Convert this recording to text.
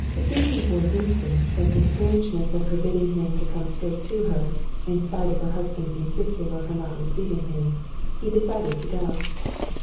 Thinking for an instant of the strangeness of her bidding him come straight to her, in spite of her husband's insisting on her not receiving him, he decided to go.